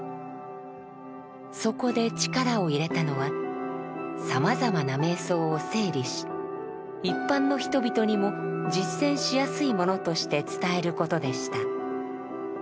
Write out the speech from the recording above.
そこで力を入れたのはさまざまな瞑想を整理し一般の人々にも実践しやすいものとして伝えることでした。